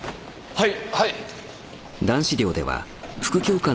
はい。